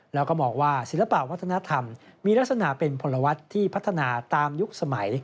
แล้วก็มองว่าศิลปะวัฒนธรรมมีลักษณะเป็นพลวัฒน์ที่พัฒนาตามยุคสมัย